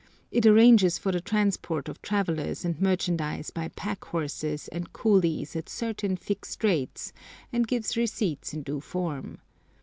It arranges for the transport of travellers and merchandise by pack horses and coolies at certain fixed rates, and gives receipts in due form.